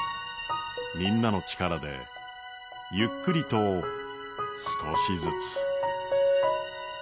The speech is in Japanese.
みんなの力でゆっくりと少しずつ。